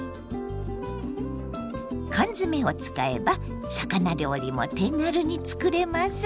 缶詰を使えば魚料理も手軽に作れます。